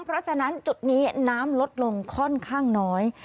เพราะฉะนั้นจุดนี้น้ำลดลงค่อนข้างน้อย